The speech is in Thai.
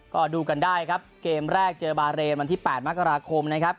ก็ดูกันได้ครับเกมแรกเจอบาเรนวันที่๘มกราคมนะครับ